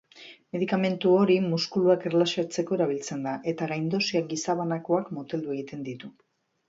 Medikamentu hori muskuluak erlaxatzeko erabiltzen da, eta gaindosiak gizabanakoak moteldu egiten ditu.